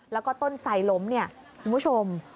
แล้วก็ต้นไสล้มเนี่ยคุณผู้ชม